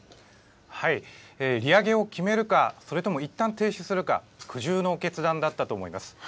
利上げを決めるか、それともいったん停止するか、苦渋の決断だったと思います。